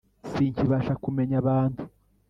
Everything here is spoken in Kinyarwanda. sinkibasha kumenya abantu.